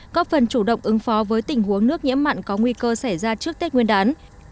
có phần chủ động ứng phó với tình huống nước nhiễm mặn có nguy cơ xảy ra trước tết nguyên đán